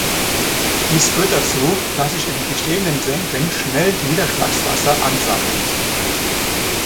Dies führt dazu, dass sich in bestehenden Senken schnell Niederschlagswasser ansammelt.